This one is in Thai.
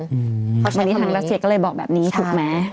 เพราะตอนนี้ทางรัสเซียก็เลยบอกแบบนี้ถูกไหม